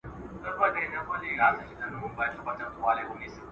هره ورځ مغزيات او تخمونه وخورئ.